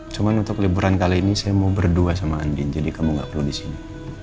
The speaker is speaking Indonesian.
cuma untuk liburan kali ini saya mau berdua sama andien jadi kamu gak perlu disini